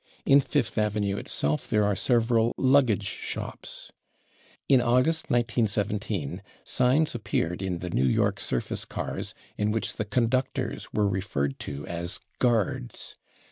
In Fifth avenue itself there are several /luggage shops/. In August, 1917, signs appeared in the New York surface cars in which the conductors were referred to as /guards